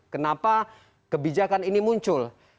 kenapa kebijakan ini muncul